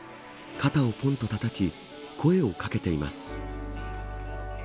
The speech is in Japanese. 肩をポンとたたき声をかけています。